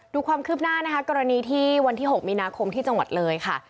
ดูความคืบหน้านะคะกรณีที่วันที่๖มีนาคมที่จังหวัดเลยค่ะ